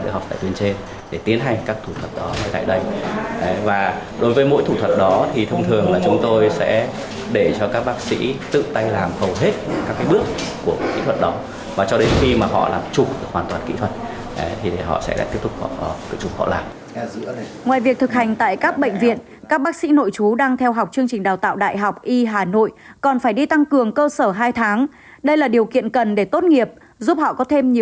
đối với mỗi thủ thuật đó thì thông thường là chúng tôi sẽ để cho các bác sĩ tự tay làm hiểu hết bước đ nelle kỹ luật đó